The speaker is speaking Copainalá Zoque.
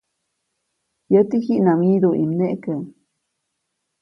‒Yäti jiʼnam wyĩduʼi mneʼkä-.